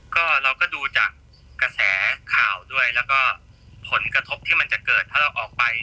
ก็เราก็ดูจากกระแสข่าวด้วยแล้วก็ผลกระทบที่มันจะเกิดถ้าเราออกไป